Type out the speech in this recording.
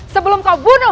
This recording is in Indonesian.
sebelum kau bunuh